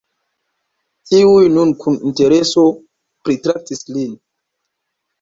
Tiuj nun kun intereso pritraktis lin.